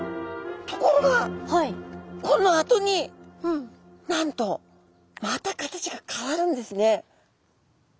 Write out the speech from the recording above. ところがこのあとになんとまた形が変わるんですね。